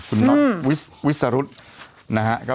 คุณน็อตวิสรุษนะครับ